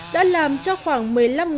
đã làm cho khoảng một người đàn ông